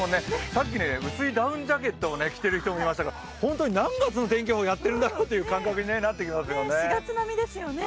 さっき、薄いダウンジャケットを着ている人を見ましたが、本当に何月の天気予報をやってるんだろうという感覚になってきますよね。